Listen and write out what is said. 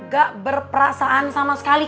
gak berperasaan sama sekali